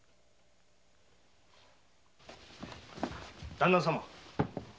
旦那様。